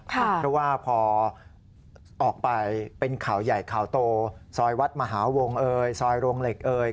เพราะว่าพอออกไปเป็นข่าวใหญ่ข่าวโตซอยวัดมหาวงเอ่ยซอยโรงเหล็กเอย